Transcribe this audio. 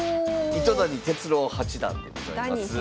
糸谷哲郎八段でございます。